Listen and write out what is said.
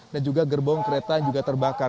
dan juga gerbong kereta yang juga terbakar